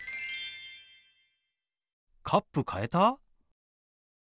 カップ変えた？